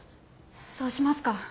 そうしますか。